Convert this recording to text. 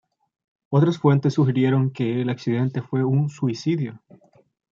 Otras fuentes sugirieron que el accidente fue un suicidio.